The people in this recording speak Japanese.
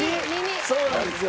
そうなんですよ。